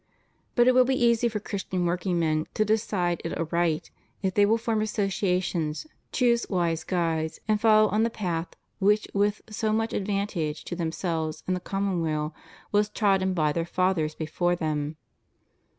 But it will be easy for Christian workingmen to decide it aright if they will form associations, choose vnse guides, and follow on the path which with so much advantage to themselves and the commonweal was trodden by their fathers before them.